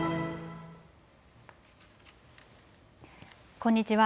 こんにちは。